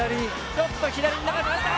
ちょっと左に流された。